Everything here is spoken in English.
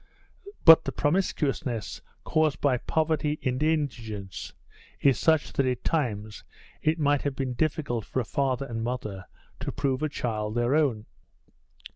But the promiscuousness caused by poverty and indigence is such that at times it might have been difficult for a father and mother to prove a child their own.